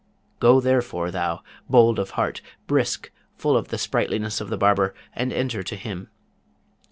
Go therefore thou, bold of heart, brisk, full of the sprightliness of the barber, and enter to him.